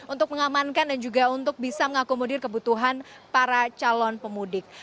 untuk mengamankan dan juga untuk bisa mengakomodir kebutuhan para calon pemudik